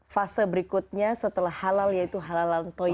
fase berikutnya setelah halal yaitu halalan toyi